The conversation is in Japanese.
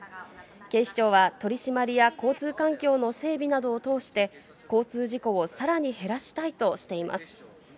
警視庁は、取り締まりや交通環境の整備などを通して、交通事故をさらに減らしたいとしています。